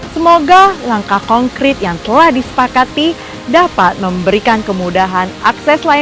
semoga langkah konkret yang telah disepakati dapat memberikan kemudahan akses layanan